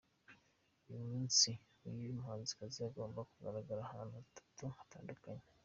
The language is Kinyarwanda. Uyu munsi uyu muhanzikazi agomba kugaragara ahantu hatatu hatandukanye.